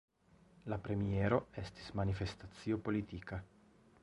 La premiero estis manifestacio politika.